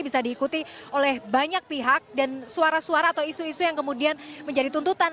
bisa diikuti oleh banyak pihak dan suara suara atau isu isu yang kemudian menjadi tuntutan